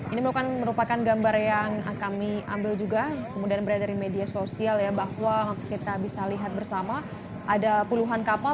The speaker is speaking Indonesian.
ini merupakan gambar yang kami ambil juga kemudian berada di media sosial ya bahwa kita bisa lihat bersama ada puluhan kapal